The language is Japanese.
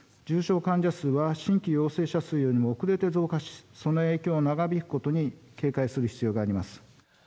重症患者数は、新規陽性者数よりも遅れて増加し、その影響が長引くことに警戒する必要があります。